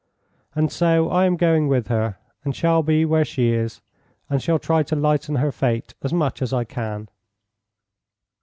And so I am going with her, and shall be where she is, and shall try to lighten her fate as much as I can."